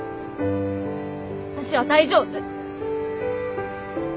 私は大丈夫。